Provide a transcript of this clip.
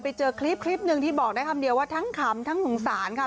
ไปเจอคลิปหนึ่งที่บอกได้คำเดียวว่าทั้งขำทั้งสงสารค่ะ